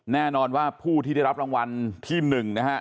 แน่นอนว่าผู้ที่ได้รับรางวัลที่๑นะฮะ